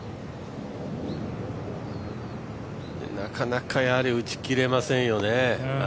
なかなか打ちきれませんよね。